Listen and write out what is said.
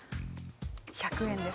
１００円です。